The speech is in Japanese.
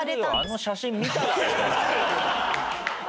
あの写真見ただろ？